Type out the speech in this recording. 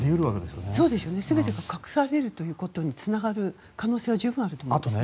すべてが隠されることにつながる可能性は十分にあると思います。